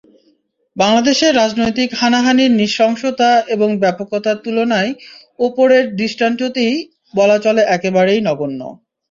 বাংলাদেশে রাজনৈতিক হানাহানির নৃশংসতা এবং ব্যাপকতার তুলনায় ওপরের দৃষ্টান্তটি বলা চলে একেবারেই নগণ্য।